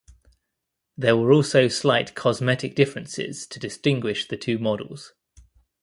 There were also slight cosmetic differences to distinguish the two models.